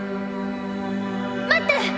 待って！